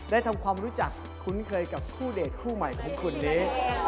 ทำความรู้จักคุ้นเคยกับคู่เดทคู่ใหม่ของคุณนี้